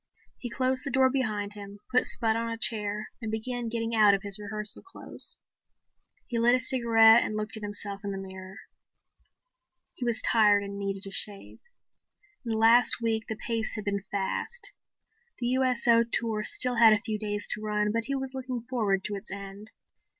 He closed the door behind him, put Spud on a chair and began getting out of his rehearsal clothes. He lit a cigarette and looked at himself in the mirror. He was tired and needed a shave. In the last week the pace had been fast. The USO tour still had a few days to run, but he was looking forward to its end.